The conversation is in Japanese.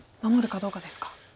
守るかどうかですか。